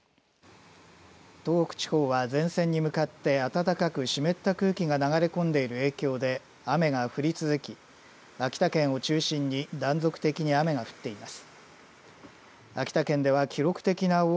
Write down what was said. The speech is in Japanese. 東北地方は前線に向かって暖かく湿った空気が流れ込んでいる影響で雨が降り続き秋田県を中心に断続的に雨が降っています。